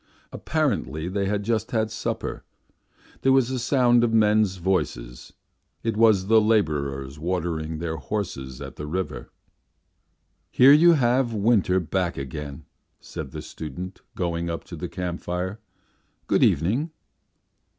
Apparently they had just had supper. There was a sound of men's voices; it was the labourers watering their horses at the river. "Here you have winter back again," said the student, going up to the camp fire. "Good evening."